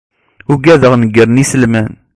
Ugadeɣ nnger n iselman